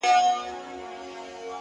اوس كرۍ ورځ زه شاعري كومه _